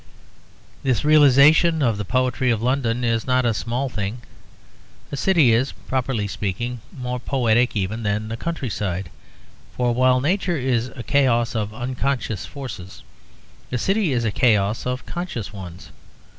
This realization of the poetry of London is not a small thing. A city is, properly speaking, more poetic even than a countryside, for while Nature is a chaos of unconscious forces, a city is a chaos of conscious ones.